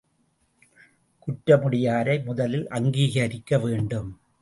குற்றமுடையாரை முதலில் அங்கீகரிக்க வேண்டும்.